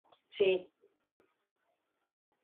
Por ende no tiene sentido hablar de "sida asintomático".